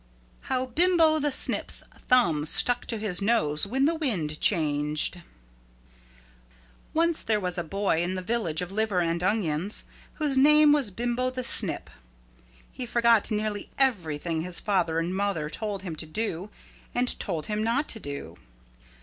How Bimbo the Snip's Thumb Stuck to His Nose When the Wind Changed Once there was a boy in the Village of Liver and Onions whose name was Bimbo the Snip. He forgot nearly everything his father and mother told him to do and told him not to do.